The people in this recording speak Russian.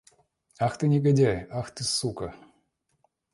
Ах, ты негодяй! Ах, ты сука!